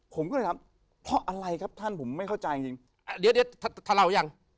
ผมก็เลยทำเพราะอะไรครับท่านผมไม่เข้าใจจริงเดี๋ยวท่านเล่ายัง